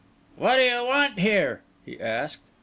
"What do you want here?" he asked.